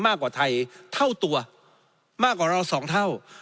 มากกว่าไทยเท่าตัวมากกว่าเราสองเท่า